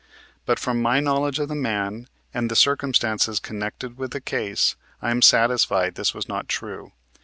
But, from my knowledge of the man and of the circumstances connected with the case, I am satisfied this was not true.